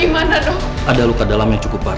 maaf ya kalian cuma keluar